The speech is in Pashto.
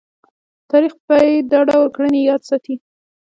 تاریخ به یې دا ډول کړنې یاد ساتي.